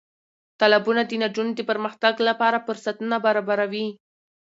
تالابونه د نجونو د پرمختګ لپاره فرصتونه برابروي.